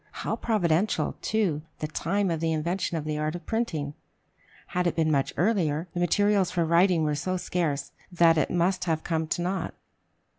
How providential, too, the time of the invention of the art of printing! Had it been much earlier, the materials for writing were so scarce that it must have come to naught.